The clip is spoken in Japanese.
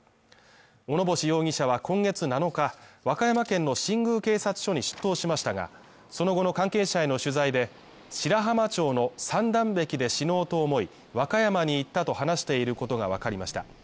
小野星容疑者は今月７日、和歌山県の新宮警察署に出頭しましたが、その後の関係者への取材で、白浜町の三段壁で死のうと思い、和歌山に行ったと話していることがわかりました。